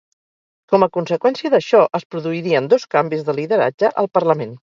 Com a conseqüència d'això, es produirien dos canvis de lideratge al Parlament.